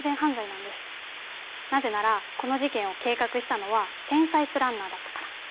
なぜならこの事件を計画したのは天才プランナーだったから。